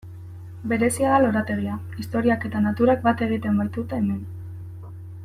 Berezia da lorategia, historiak eta naturak bat egiten baitute hemen.